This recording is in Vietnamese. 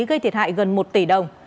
gây thiệt hại gần một tỷ đồng